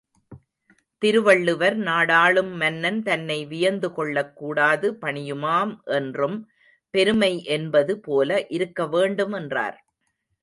திருவள்ளுவர், நாடாளும் மன்னன் தன்னை வியந்து கொள்ளக்கூடாது, பணியுமாம் என்றும் பெருமை என்பது போல இருக்கவேண்டும் என்றார்.